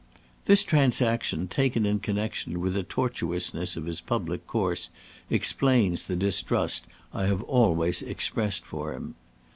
"This transaction, taken in connection with the tortuousness of his public course, explains the distrust I have always expressed for him.